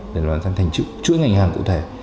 để làm thành chuỗi ngành hàng cụ thể